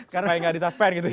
supaya tidak di suspend gitu ya